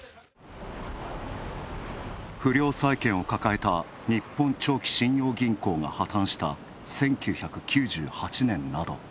不良債権を抱えた日本長期信用銀行が破たんした１９９８年など。